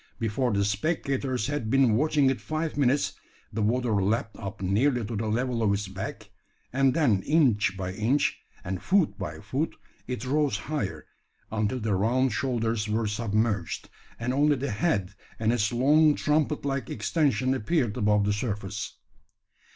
Before the spectators had been watching it five minutes, the water lapped up nearly to the level of its back, and then inch by inch, and foot by foot, it rose higher, until the round shoulders were submerged, and only the head and its long trumpet like extension appeared above the surface.